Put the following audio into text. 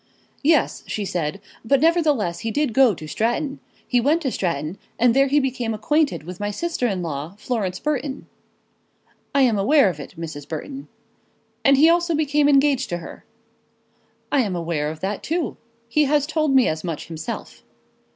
"Yes," she said, "but nevertheless he did go to Stratton. He went to Stratton, and there he became acquainted with my sister in law, Florence Burton." "I am aware of it, Mrs. Burton." "And he also became engaged to her." "I am aware of that too. He has told me as much himself."